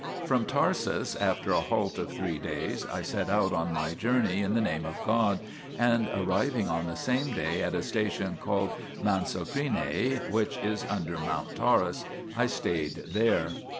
From Tarsus, after a halt of three days, I set out on my journey in the Name of God, and arriving on the same day at a station called Mansocrenae, 1 which is under Mount Taurus, I stayed there.